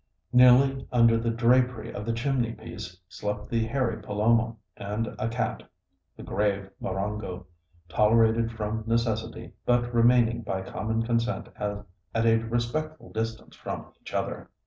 Nearly under the drapery of the chimney piece slept the hairy Palomo and a cat, the grave Morrongo, tolerated from necessity, but remaining by common consent at a respectful distance from each other.